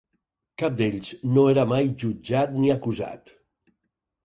Cap d'ells no era mai jutjat ni acusat